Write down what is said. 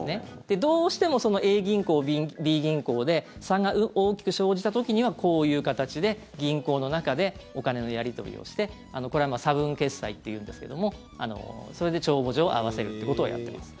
どうしてもＡ銀行、Ｂ銀行で差が大きく生じた時にはこういう形で銀行の中でお金のやり取りをしてこれは差分決済っていうんですけどもそれで帳簿上、合わせるということをやってます。